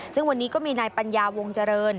ซึ่งวันนี้ก็มีนายปัญญาวงเจริญ